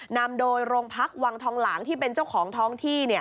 นำโดยโรงพักวังทองหลางที่เป็นเจ้าของท้องที่